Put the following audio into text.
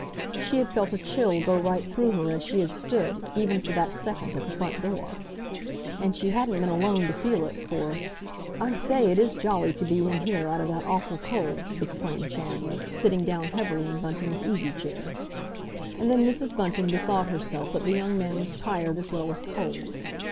She had felt a chill go right through her as she had stood, even for that second, at the front door. And she hadn't been alone to feel it, for, "I say, it is jolly to be in here, out of that awful cold!" exclaimed Chandler, sitting down heavily in Bunting's easy chair. And then Mrs. Bunting bethought herself that the young man was tired, as well as cold.